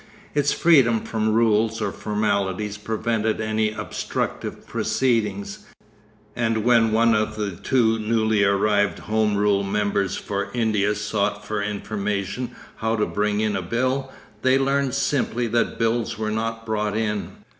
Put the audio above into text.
Its freedom from rules or formalities prevented any obstructive proceedings, and when one of the two newly arrived Home Rule members for India sought for information how to bring in a bill, they learnt simply that bills were not brought in.